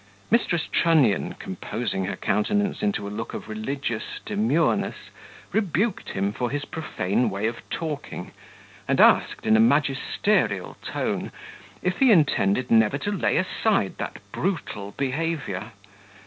Mrs. Trunnion, composing her countenance into a look of religious demureness, rebuked him for his profane way of talking; and asked, in a magisterial tone, if he intended never to lay aside that brutal behaviour.